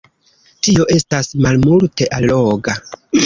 Tio estas malmulte alloga.